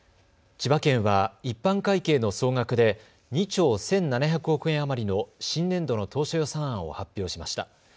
千葉県は一般会計の総額で２兆１７００億円余りの新年度の当初予算案を発表しました。